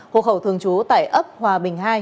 hộ khẩu thường trú tại ấp hòa bình hai